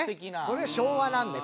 「これが昭和なんだよ。